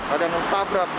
ada yang menabrak